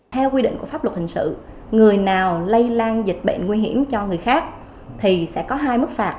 theo quy định của pháp luật hình sự người nào lây lan dịch bệnh nguy hiểm cho người khác thì sẽ có hai mức phạt